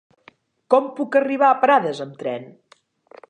Com puc arribar a Prades amb tren?